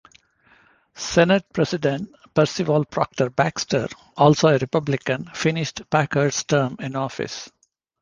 Senate President Percival Proctor Baxter, also a Republican, finished Parkhurst's term in office.